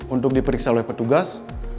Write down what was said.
untuk diperiksa oleh petugas